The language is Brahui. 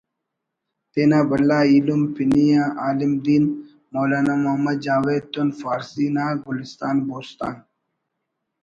تینا بھلا ایلم پنی آ عالم دین مولانا محمد جاوید تون فارسی نا گلستان بوستان